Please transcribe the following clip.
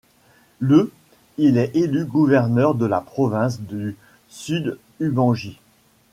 Le il est élu gouverneur de la province du Sud-Ubangi.